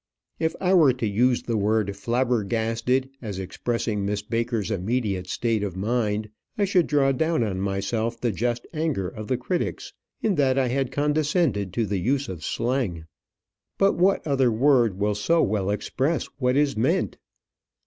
If I were to use the word "flabbergasted" as expressing Miss Baker's immediate state of mind, I should draw down on myself the just anger of the critics, in that I had condescended to the use of slang; but what other word will so well express what is meant?